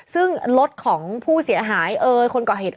ซึ่งลดของผู้เสียหายคนก่อเหตุ